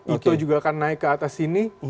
ito juga akan naik ke atas sini